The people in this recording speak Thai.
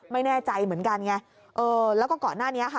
ไม่แน่ใจเหมือนกันไงเออแล้วก็ก่อนหน้านี้ค่ะ